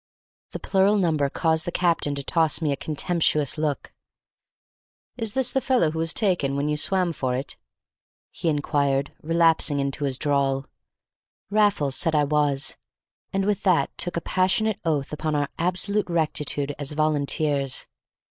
The plural number caused the captain to toss me a contemptuous look. "Is this the fellah who was taken when you swam for it?" he inquired, relapsing into his drawl. Raffles said I was, and with that took a passionate oath upon our absolute rectitude as volunteers.